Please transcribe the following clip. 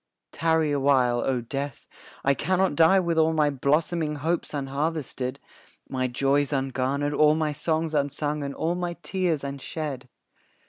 Tarry a while, O Death, I cannot die With all my blossoming hopes unharvested, My joys ungarnered, all my songs unsung, And all my tears unshed.